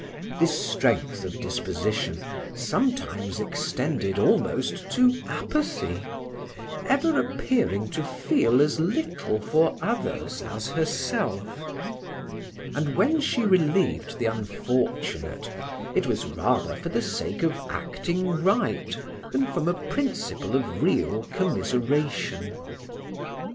This strength of disposition sometimes extended almost to apathy, ever appearing to feel as little for others as herself; and when she relieved the unfortunate, it was rather for the sake of acting right, than from a principle of real commiseration.